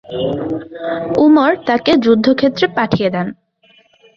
উমর তাকে যুদ্ধক্ষেত্রে পাঠিয়ে দেন।